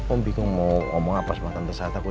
om bingung mau ngomong apa sama tante sarah takutnya lah om